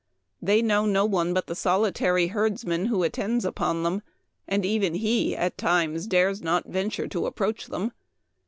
They know no one but the soli tary herdsman who attends upon them, and even he at times dares not venture to approach them.